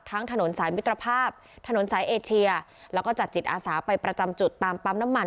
ถนนสายมิตรภาพถนนสายเอเชียแล้วก็จัดจิตอาสาไปประจำจุดตามปั๊มน้ำมัน